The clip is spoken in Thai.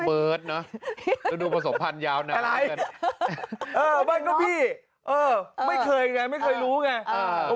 เออแบบก็พี่ไม่เคยไงไม่เคยรู้ไง